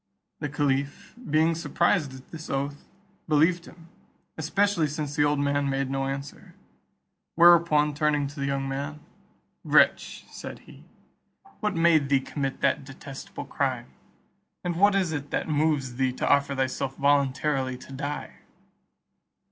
The caliph being surprised at this oath, believed him; especially since the old man made no answer. Whereupon, turning to the young man, "Wretch," said he, "what made thee commit that detestable crime, and what is it that moves thee to offer thyself voluntarily to die?"